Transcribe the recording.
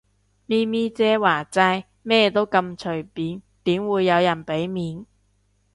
咪咪姐話齋，咩都咁隨便，點會有人俾面